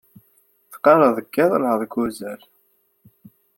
Teqqaṛeḍ deg iḍ neɣ deg uzal?